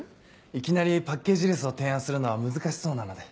いきなりパッケージレスを提案するのは難しそうなので。